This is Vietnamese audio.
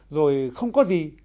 rồi không có gì